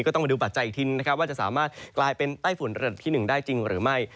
ก็ต้องมาดูปัจจัยอีกทีนะครับว่าจะสามารถกลายเป็นไต้ฝุ่นระดับที่๑ได้จริงหรือไม่